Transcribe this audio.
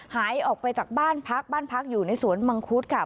หายออกไปจากบ้านพักบ้านพักอยู่ในสวนมังคุดค่ะ